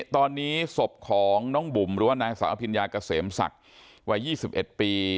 ตอนนี้ศพของน้องบุ๋มหรือว่านางสาวอภิญญาเกษมศักดิ์วัย๒๑ปี